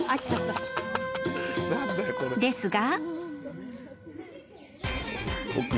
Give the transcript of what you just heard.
［ですが］